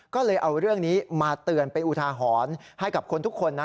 ก็เลยเอาเรื่องนี้มาเตือนเป็นอุทาหรณ์ให้กับคนทุกคนนะ